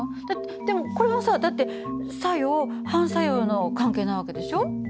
でもこれもさだって作用・反作用の関係な訳でしょ？